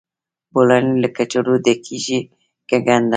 بولاني له کچالو ډکیږي که ګندنه؟